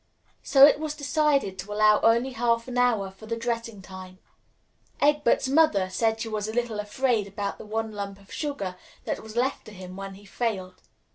So it was decided to allow only half an hour for the dressing time. Egbert's mother said she was a little afraid about the one lump of sugar that was left to him when he failed.